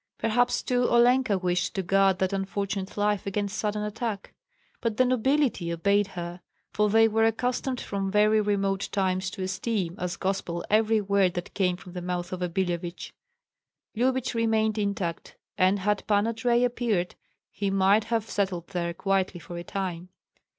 Perhaps too Olenka wished to guard that unfortunate life against sudden attack. But the nobility obeyed her, for they were accustomed from very remote times to esteem as gospel every word that came from the mouth of a Billevich. Lyubich remained intact, and had Pan Andrei appeared he might have settled there quietly for a time.